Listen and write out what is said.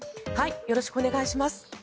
よろしくお願いします。